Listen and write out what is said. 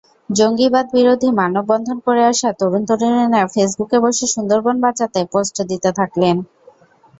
জঙ্গিবাদবিরোধী মানববন্ধন করে আসা তরুণ-তরুণীরা ফেসবুকে বসে সুন্দরবন বাঁচাতে পোস্ট দিতে থাকলেন।